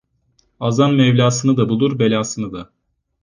Azan Mevlasını da bulur, belasını da.